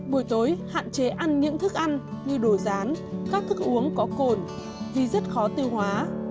buổi tối hạn chế ăn những thức ăn như đồ rán các thức uống có cồn vì rất khó tiêu hóa